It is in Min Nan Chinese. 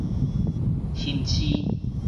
熊市